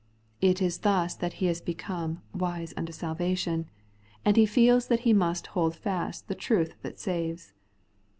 It is thus that he has become 'wise imto salvation,' and he feels that he must hold fast the truth that saves.